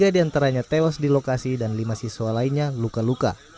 tiga diantaranya tewas di lokasi dan lima siswa lainnya luka luka